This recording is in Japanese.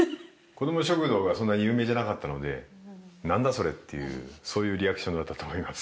こども食堂がそんなに有名じゃなかったので「なんだ？それ」っていうそういうリアクションだったと思います。